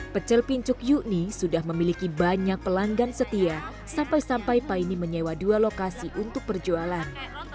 pecel pincuk yukni sudah memiliki banyak pelanggan setia sampai sampai paine menyewa dua lokasi untuk perjualan